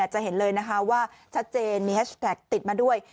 จะเห็นเลยนะคะว่าชัดเจนมีแฮชแท็กติดมาด้วย